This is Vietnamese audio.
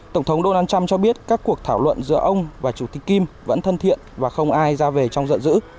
tổng thống donald trump cho biết các cuộc thảo luận giữa ông và chủ tịch kim vẫn thân thiện và không ai ra về trong dận dữ